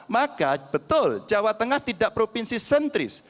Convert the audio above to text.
maka betul jawa tengah tidak provinsi sentris